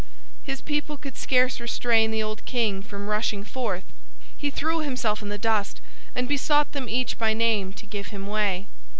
His people could scarce restrain the old king from rushing forth. He threw himself in the dust and besought them each by name to give him way.